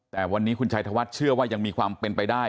แต่วันนี้คุณชัยธวัฒน์เชื่อว่ายังมีความเป็นไปได้